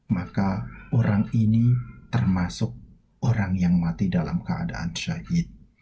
maka orang ini termasuk orang yang mati dalam keadaan syahid